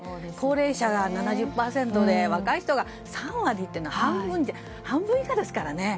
高齢者７０％で若い人が３割っていうのは半分以下ですからね。